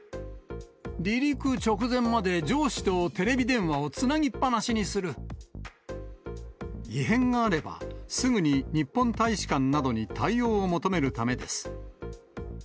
離陸直前まで上司とテレビ電異変があれば、すぐに日本大使館などに対応を求めるためです。